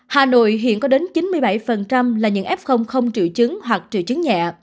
hà nội hiện có đến chín mươi bảy là những f không triệu chứng hoặc triệu chứng nhẹ